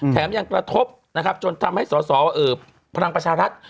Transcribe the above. แถมยังกระทบนะครับจนทำให้สสพลังประชารัฐ